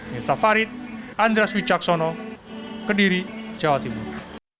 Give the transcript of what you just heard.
mirta farid andras wicaksono kediri jawa timur